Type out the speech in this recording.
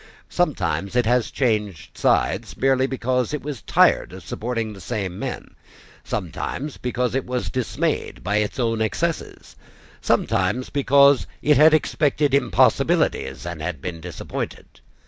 Sometimes it has changed sides, merely because it was tired of supporting the same men, sometimes because it was dismayed by its own excesses, sometimes because it had expected impossibilities, and had been disappointed.